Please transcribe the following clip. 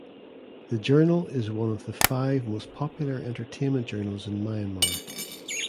The Journal is one of the five most popular entertainment journals in Myanmar.